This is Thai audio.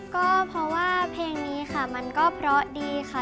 ก็เพราะว่าเพลงนี้ค่ะมันก็เพราะดีค่ะ